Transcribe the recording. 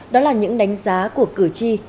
đó là những đánh giá của cử tri